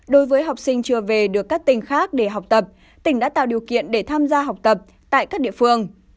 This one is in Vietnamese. đối với học sinh chưa về được các tỉnh khác để học tập tỉnh đã tạo điều kiện để tham gia học tập tại các địa phương